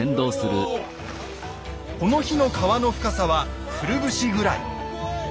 この日の川の深さはくるぶしぐらい。